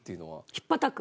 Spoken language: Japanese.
ひっぱたく。